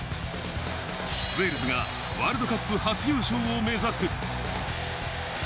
ウェールズがワールドカップ初優勝を目指す。